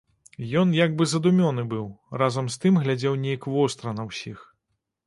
Ён як бы задумёны быў, разам з тым глядзеў нейк востра на ўсіх.